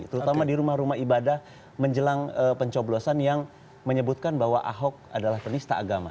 terutama di rumah rumah ibadah menjelang pencoblosan yang menyebutkan bahwa ahok adalah penista agama